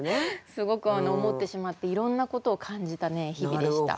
すごく思ってしまっていろんなことを感じた日々でした。